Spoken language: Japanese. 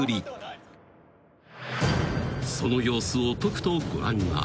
［その様子をとくとご覧あれ］